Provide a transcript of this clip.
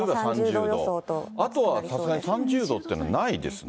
あとはさすがに３０度っていうのはないですね。